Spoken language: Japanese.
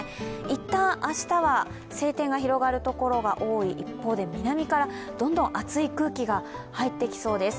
一旦、明日は晴天が広がるところが多い一方で、南からどんどん暑い空気が入ってきそうです。